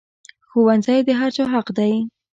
ښوونځی د هر چا حق دی